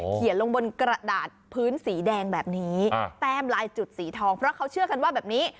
เขียนลงบนกระดาษพื้นสีแดงแบบนี้แต้มลายจุดสีทองเพราะเขาเชื่อกันว่าแบบนี้